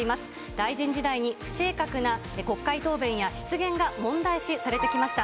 大臣時代に不正確な国会答弁や失言が問題視されてきました。